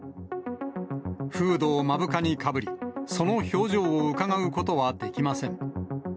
フードを目深にかぶり、その表情をうかがうことはできません。